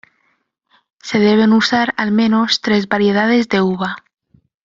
Se deben usar, al menos, tres variedades de uva.